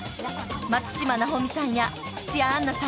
［松嶋尚美さんや土屋アンナさん